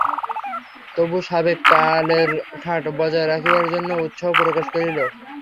তবু সাবেক কালের ঠাট বজায় রাখিবার জন্য উৎসাহ প্রকাশ করিল।